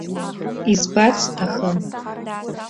Избар сҭахын.